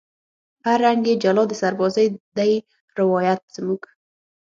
هر رنگ یې جلا د سربازۍ دی روایت زموږ